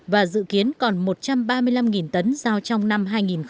và dự kiến còn một trăm ba mươi năm tấn giao trong năm hai nghìn hai mươi